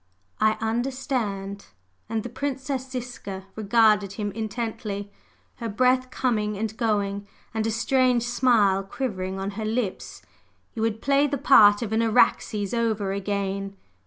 "I understand!" and the Princess Ziska regarded him intently, her breath coming and going, and a strange smile quivering on her lips. "You would play the part of an Araxes over again!"